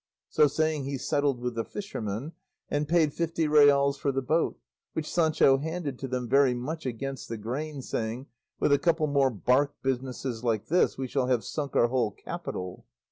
So saying he settled with the fishermen, and paid fifty reals for the boat, which Sancho handed to them very much against the grain, saying, "With a couple more bark businesses like this we shall have sunk our whole capital."